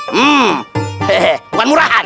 hmm hehehe bukan murahan